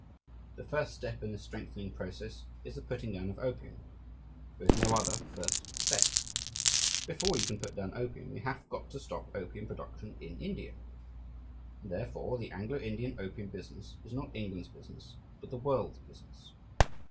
The first step in this strengthening process is the putting down of opium there is no other first step. Before you can put down opium, you have got to stop opium production in India. And therefore the Anglo Indian opium business is not England's business, but the world's business.